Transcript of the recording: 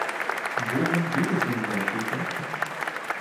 Worum geht es in dieser Entschließung?